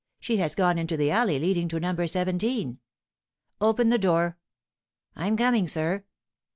She has gone into the alley leading to No. 17." "Open the door." "I'm coming, sir."